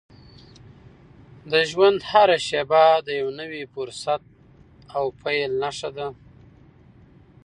د ژوند هره شېبه د یو نوي فرصت او پیل نښه ده.